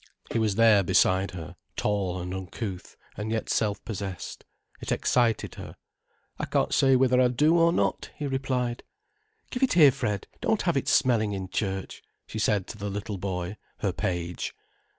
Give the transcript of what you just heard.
He was there beside her, tall and uncouth and yet self possessed. It excited her. "I can't say whether I do or not," he replied. "Give it here, Fred, don't have it smelling in church," she said to the little boy, her page.